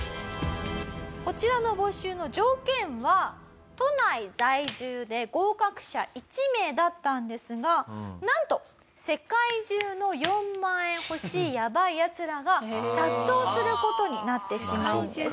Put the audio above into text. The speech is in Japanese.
こちらの募集の条件は都内在住で合格者１名だったんですがなんと世界中の４万円欲しいやばいヤツらが殺到する事になってしまうんです。